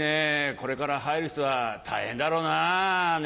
これから入る人は大変だろうなね」